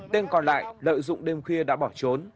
tên còn lại lợi dụng đêm khuya đã bỏ trốn